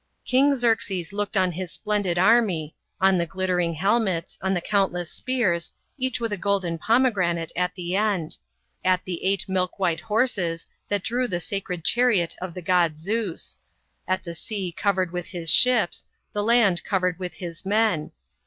King Xerxes looked on his splendid army, on the glittering helmets, on the countless spears* with a golden pomegranate at the end ; at the milk white horses, that drew the* sacred c the eod Zeus; at the sea covered with his \ 94 PREPARING FOR THE PERSIANS.